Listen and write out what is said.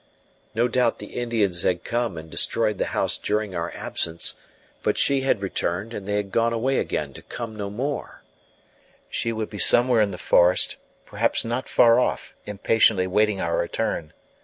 No doubt the Indians tract come and destroyed the house during our absence; but she had returned, and they had gone away again to come no more. She would be somewhere in the forest, perhaps not far off, impatiently waiting our return.